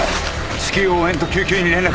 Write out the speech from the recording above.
至急応援と救急に連絡。